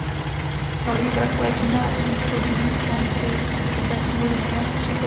Holý vrch leží na východním konci hřbetní linie tří kopců.